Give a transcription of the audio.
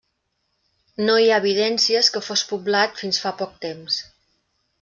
No hi ha evidències que fos poblat fins fa poc temps.